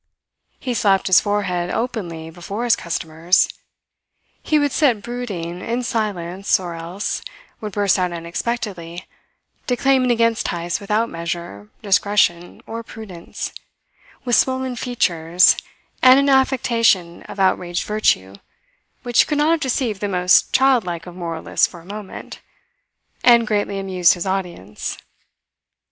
He slapped his forehead openly before his customers; he would sit brooding in silence or else would burst out unexpectedly declaiming against Heyst without measure, discretion, or prudence, with swollen features and an affectation of outraged virtue which could not have deceived the most childlike of moralists for a moment and greatly amused his audience.